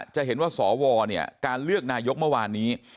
จะเห็นว่าการเลือกนายกเม้าวานนี้